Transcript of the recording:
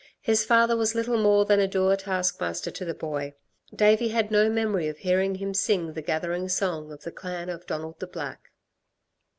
His father was little more than a dour taskmaster to the boy. Davey had no memory of hearing him sing the gathering song of the Clan of Donald the Black.